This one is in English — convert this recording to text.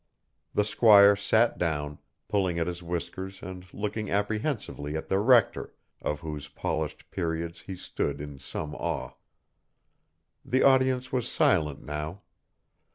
The squire sat down, pulling at his whiskers and looking apprehensively at the rector, of whose polished periods he stood in some awe. The audience was silent now.